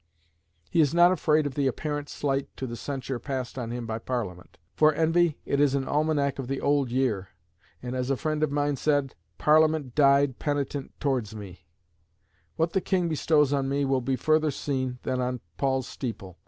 He is not afraid of the apparent slight to the censure passed on him by Parliament. "For envy, it is an almanack of the old year, and as a friend of mine said, Parliament died penitent towards me." "What the King bestows on me will be further seen than on Paul's steeple."